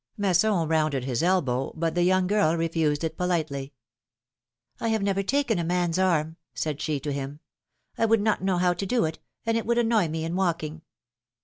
'^ Masson rounded his elbow, but the young girl refused it politely. have never taken a man's arm," said she to him. I would not know how to do it, and it would annoy me in walking."